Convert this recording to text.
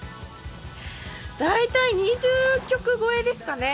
大体２０曲ごえですかね。